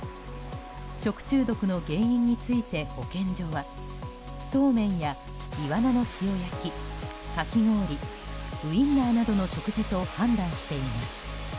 食中毒の原因について保健所はそうめんやイワナの塩焼きかき氷、ウインナーなどの食事と判断しています。